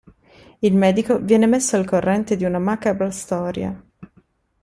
Il medico viene messo al corrente di una macabra storia.